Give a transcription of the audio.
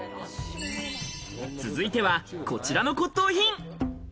続いてはこちらの骨董品。